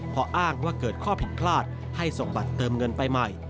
พออ้างว่าเกิดข้อผิดพลาดให้ส่งบัตรเติมเงินไปใหม่